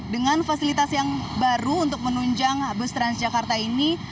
dengan fasilitas yang baru untuk menunjang bus transjakarta ini